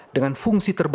dengan fungsi yang berbeda